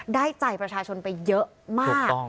ได้ใจประชาชนไปเยอะมาก